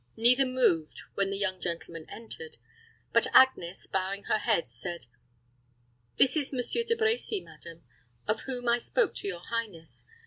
Neither moved when the young gentleman entered; but Agnes, bowing her head, said, "This is Monsieur De Brecy, madam, of whom I spoke to your highness.